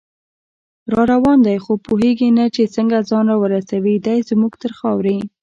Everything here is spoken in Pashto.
راروان دی خو پوهیږي نه چې څنګه، ځان راورسوي دی زمونږ تر خاورې